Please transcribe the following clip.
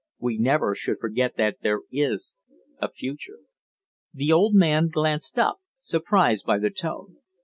We never should forget that there is a future." The old man glanced up, surprised by the tone.